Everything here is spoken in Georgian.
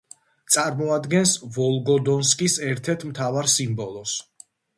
წარმოადგენს ვოლგოდონსკის ერთ-ერთ მთავარ სიმბოლოს.